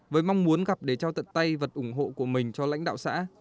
với mong muốn gặp để trao tận tay vật ủng hộ của mình cho lãnh đạo xã